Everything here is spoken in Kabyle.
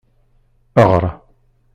Eɣr.